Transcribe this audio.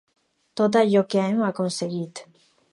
Tot allò que hem aconseguit.